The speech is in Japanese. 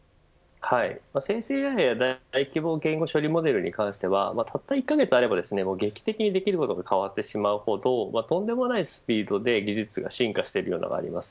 生成ＡＩや大規模言語処理モデルに関してはたった１カ月あれば劇的にできることが変わってしまうほどとんでもないスピードで技術が進化しています。